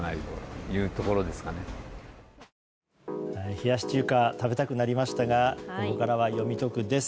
冷やし中華食べたくなりましたがここからは、よみトクです。